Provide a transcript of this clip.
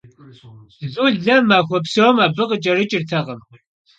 Zule maxue psom abı khıç'erıç'ırtekhım.